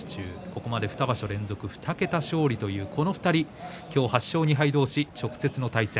ここまで２場所連続、２桁勝利というこの２人今日は８勝２敗同士、直接の対戦。